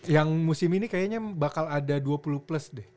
yang musim ini kayaknya bakal ada dua puluh plus deh